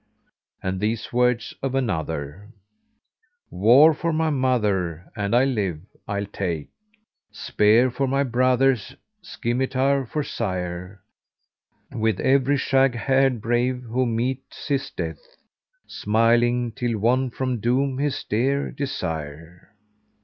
And these words of another, "War for my mother (an I live) I'll take; * Spear for my brother; scymitar for sire With every shag haired brave who meets his death * Smiling, till won from Doom his dear desire!"